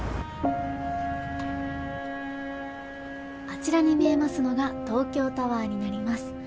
あちらに見えますのが東京タワーになります。